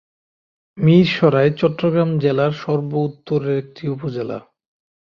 মীরসরাই চট্টগ্রাম জেলার সর্ব উত্তরের একটি উপজেলা।